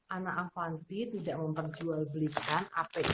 anak avanti tidak memperjualbelikan apd